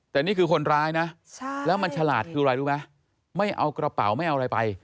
แต่นี่คือคนร้ายนะแล้วมันฉลาดคืออะไรรู้ไหมไม่เอากระเป๋าไม่เอาอะไรไป